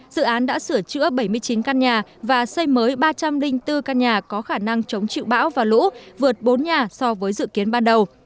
dự án đã sửa chữa bảy mươi chín căn nhà và xây mới ba trăm linh bốn căn nhà có khả năng chống chịu bão và lũ vượt bốn nhà so với dự kiến ban đầu